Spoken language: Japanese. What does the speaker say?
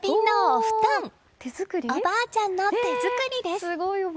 おばあちゃんの手作りです！